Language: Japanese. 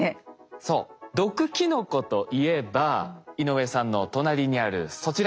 そう毒キノコといえば井上さんの隣にあるそちら。